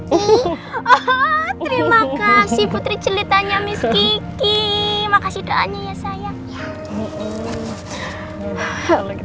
terima kasih putri celitanya miss kiki makasih doanya ya sayang